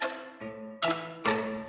aku sudah berhenti